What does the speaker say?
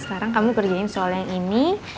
sekarang kamu kerjain soal yang ini